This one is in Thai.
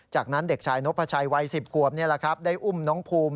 จากนั้นเด็กชายนพชัยวัย๑๐ขวบได้อุ้มน้องภูมิ